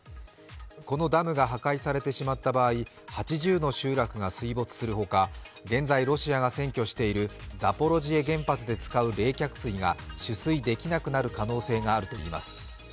このダムが破壊されてしまった場合、８０の集落が水没するほか、現在ロシアが占拠しているザポロジエ原発で使う冷却水が取水できなくなる可能性があるといいます。